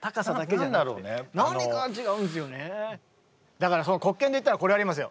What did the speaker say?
だから黒鍵でいったらこれありますよ。